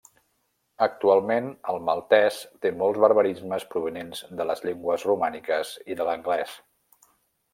Actualment, el maltès té molts barbarismes provinents de les llengües romàniques i de l'anglès.